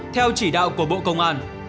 theo chỉ đạo của bộ công an